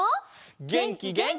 げんきげんき！